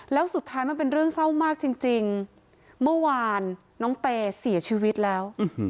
แล้วสุดท้ายมันเป็นเรื่องเศร้ามากจริงเมื่อวานน้องเตเสียชีวิตแล้ว